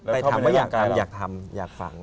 แต่ถามว่าอยากทำอยากฝัง